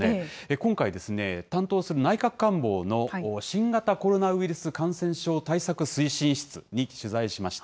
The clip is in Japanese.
今回、担当する内閣官房の新型コロナウイルス感染症対策推進室に取材しました。